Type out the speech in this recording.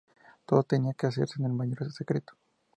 Todo tenía que hacerse en el mayor secreto.